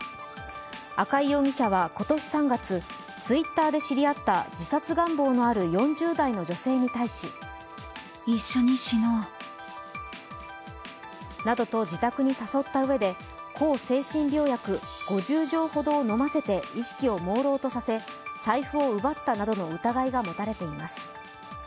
赤井容疑者は今年３月、Ｔｗｉｔｔｅｒで知り合った自殺願望のある４０代の女性に対しなどと自宅に誘ったうえで抗精神病薬５０錠ほどを飲ませて意識をもうろうとさせ、財布を奪ったなどの疑いが持たれています。